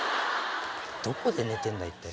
どこで寝てんだ一体。